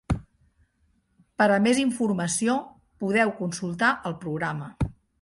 Per a més informació podeu consultar el programa.